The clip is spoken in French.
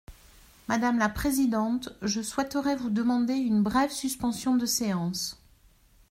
Madame la présidente, je souhaiterais vous demander une brève suspension de séance.